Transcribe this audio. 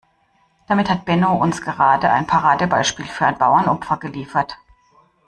Damit hat Benno uns gerade ein Paradebeispiel für ein Bauernopfer geliefert.